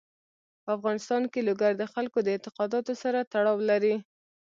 په افغانستان کې لوگر د خلکو د اعتقاداتو سره تړاو لري.